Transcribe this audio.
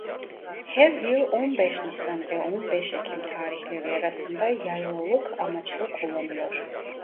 Her yıl on beş Nisan ve on beş Ekim tarihleri arasında yaylalık amaçlı kullanılır.